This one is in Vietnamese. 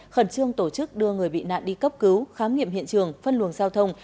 khẩn trương tổ chức đưa người bị nạn đi cấp cứu khám nghiệm hiện trường phân luồng giao thông